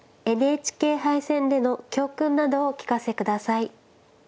ＮＨＫ杯戦での教訓などをお聞かせ下さい。